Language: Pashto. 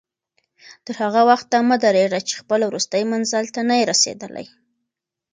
تر هغه وخته مه درېږه چې خپل وروستي منزل ته نه یې رسېدلی.